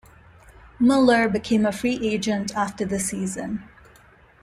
Moeller became a free agent after the season.